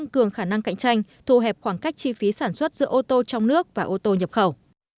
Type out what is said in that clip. cường khả năng cạnh tranh thu hẹp khoảng cách chi phí sản xuất giữa ô tô trong nước và ô tô nhập khẩu